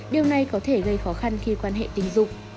điều này có thể gây khó khăn khi quan hệ tình dục